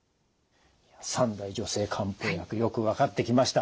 三大女性漢方薬よく分かってきました。